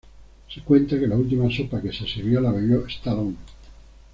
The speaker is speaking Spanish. Se cuenta que la última copa que se sirvió la bebió Stallone.